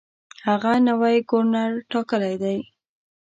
هغه نوی ګورنر ټاکلی دی.